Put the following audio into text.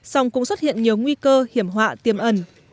song cũng xuất hiện nhiều nguy cơ hiểm họa tiềm ẩn